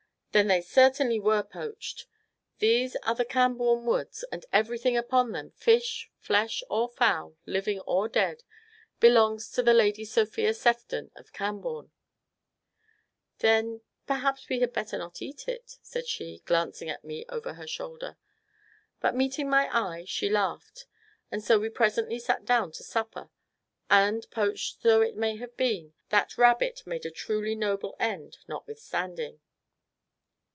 then they certainly were poached. These are the Cambourne Woods, and everything upon them fish, flesh, or fowl, living or dead belongs to the Lady Sophia Sefton of Cambourne." "Then perhaps we had better not eat it," said she, glancing at me over her shoulder but, meeting my eye, she laughed. And so we presently sat down to supper and, poached though it may have been, that rabbit made a truly noble end, notwithstanding.